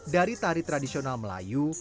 dari tari tradisional melayu